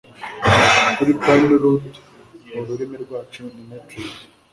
Kuri PrimeRoot ururimi rwacu ni metric